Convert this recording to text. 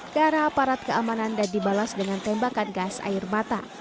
ke arah aparat keamanan dan dibalas dengan tembakan gas air mata